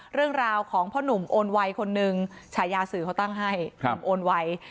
เรื่องราวของพ่อหนุ่มโอนไวคนหนึ่งฉายาสื่อเขาตั้งให้หนุ่มโอนไว